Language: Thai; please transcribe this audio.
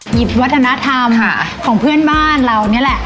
หยิบวัฒนธรรมของเพื่อนบ้านเรานี่แหละ